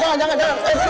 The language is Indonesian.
tidak tidak tidak